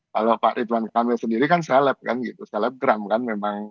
kalau pak ridwan kamil sendiri kan seleb kan gitu selebgram kan memang